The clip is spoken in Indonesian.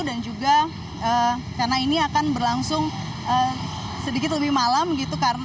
dan juga karena ini akan berlangsung sedikit lebih malam gitu